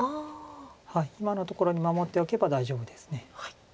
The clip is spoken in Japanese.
今のところに守っておけば大丈夫です。